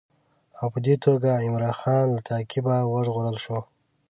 او په دې توګه عمرا خان له تعقیبه وژغورل شو.